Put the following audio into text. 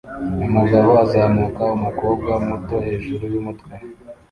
Umugabo azamura umukobwa muto hejuru yumutwe